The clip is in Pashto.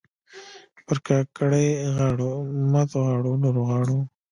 پر کاکړۍ غاړو، ماتو غاړو او نورو غاړو